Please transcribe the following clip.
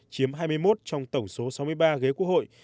chiếm hai mươi một trong tổng số sáu mươi ba ghế quốc hội